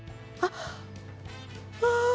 あっああ